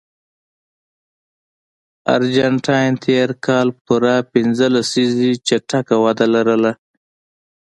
ارجنټاین تر کال پورې پنځه لسیزې چټکه وده لرله.